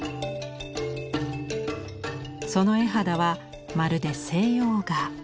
その絵肌はまるで西洋画。